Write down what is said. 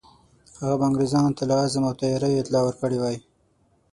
هغه به انګرېزانو ته له عزم او تیاریو اطلاع ورکړې وای.